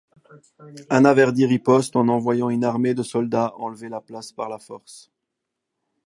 Anaverdi riposte en envoyant une armée de soldats enlever la place par la force.